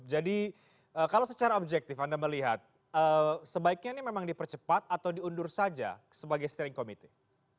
jadi kalau secara objektif anda melihat sebaiknya ini memang dipercepat atau diundur saja sebagai steering committee